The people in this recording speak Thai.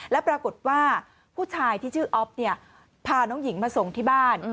แล้วปรากฏว่าผู้ชายที่ชื่ออ๊อฟเนี่ยพาน้องหญิงมาส่งที่บ้าน